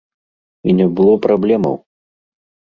І не было праблемаў!